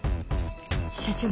社長